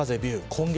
今月